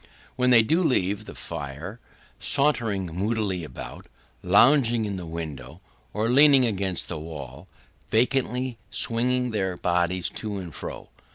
When they do leave the fire, sauntering moodily about, lounging in the window, or leaning against the wall, vacantly swinging their bodies to and fro.